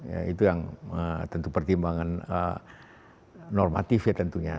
ya itu yang tentu pertimbangan normatif ya tentunya